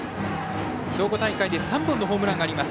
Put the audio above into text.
兵庫大会で、３本のホームランがあります。